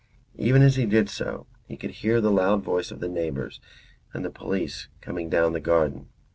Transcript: Even as he did so he could hear the loud voices of the neighbours and the police coming down the garden.